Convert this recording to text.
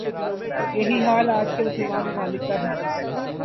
یہی حال آج کے مسلمان ممالک کا ہے ۔